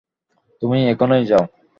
তুমি এখনই যাও।